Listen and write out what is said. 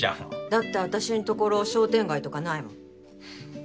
だって私んところ商店街とかないもん。